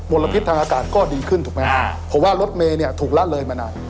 มลพิษทางอากาศก็ดีขึ้นถูกไหมครับเพราะว่ารถเมย์ถูกละเลยมาหน่อย